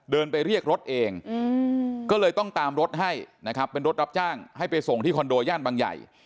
เดินไปเรียกรถเองก็เลยต้องตามรถให้นะครับเป็นรถรับจ้างให้ไปส่งที่คอนโดย่านบางใหญ่